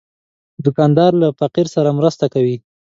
دوکاندار له فقیر سره مرسته کوي.